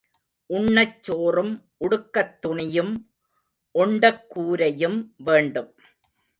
உண்ணச் சோறும் உடுக்கத் துணியும் ஒண்டக் கூரையும் வேண்டும்.